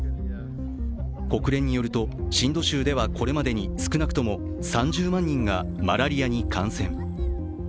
国連によると、シンド州ではこれまでに少なくとも３０万人がマラリアに感染。